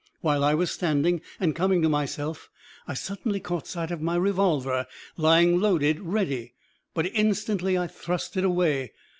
While I was standing and coming to myself I suddenly caught sight of my revolver lying loaded, ready but instantly I thrust it away!